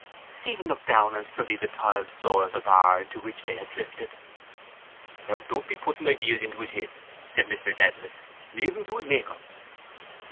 Stephen looked down and studied the tiled floor of the bar into which they had drifted. —Now don't be putting ideas into his head, said Mr Dedalus. Leave him to his Maker.